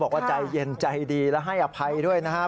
บอกว่าใจเย็นใจดีและให้อภัยด้วยนะฮะ